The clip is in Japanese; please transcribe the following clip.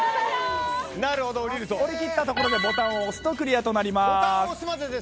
降りきったところでボタンを押すとクリアとなります。